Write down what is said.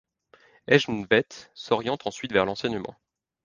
Hjelmveit s'oriente ensuite vers l'enseignement.